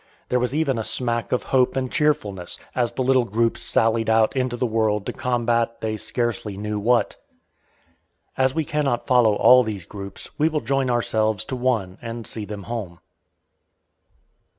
There was even a smack of hope and cheerfulness as the little groups sallied out into the world to combat they scarcely knew what. As we cannot follow all these groups, we will join ourselves to one and see them home.